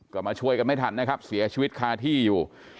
ก็มาช่วยกันไม่ทันนะครับเสียชีวิตคาที่อยู่